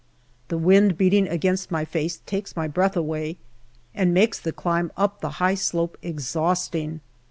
The wind beating against my face takes my breath away, and makes the climb up the high slope exhausting.